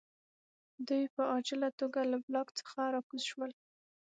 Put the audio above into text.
دوی په عاجله توګه له بلاک څخه راکوز شول